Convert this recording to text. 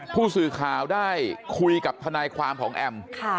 ผู้สื่อข่าวได้คุยกับทนายความของแอม